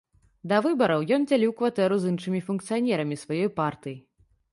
Да выбараў ён дзяліў кватэру з іншымі функцыянерамі сваёй партыі.